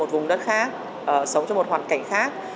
ở vùng đất khác sống trong một hoàn cảnh khác